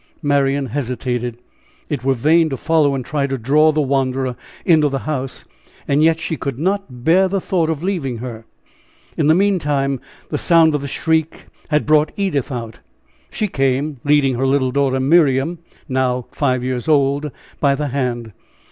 Marian hesitated. It were vain to follow and try to draw the wanderer into the house; yet she could not bear the thought of leaving her. In the meantime the sound of the shriek had brought Edith out. She came, leading her little daughter Miriam, now five years old, by the hand.